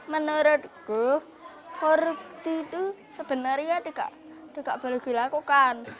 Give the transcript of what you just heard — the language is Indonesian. menurutku korupsi itu sebenarnya tidak boleh dilakukan